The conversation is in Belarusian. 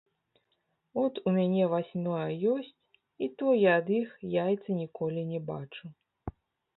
От у мяне васьмёра ёсць, і то я ад іх яйца ніколі не бачу.